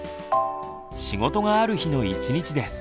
仕事がある日の１日です。